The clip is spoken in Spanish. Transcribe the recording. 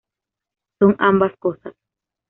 Son ambas cosas.